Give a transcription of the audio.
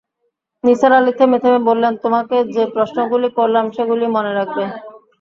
নিসার আলি থেমে-থেমে বললেন, তোমাকে যে-প্রশ্নগুলি করলাম, সেগুলি মনে রাখবে।